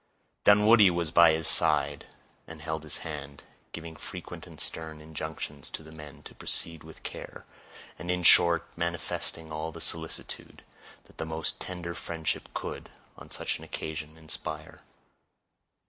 Dunwoodie was by his side and held his hand, giving frequent and stern injunctions to the men to proceed with care, and, in short, manifesting all the solicitude that the most tender friendship could, on such an occasion, inspire.